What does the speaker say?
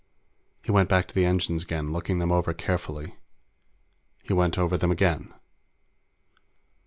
He went back to the engines again, looking them over carefully. He went over them again.